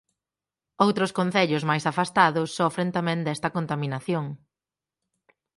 Outros concellos máis afastados sofren tamén desta contaminación.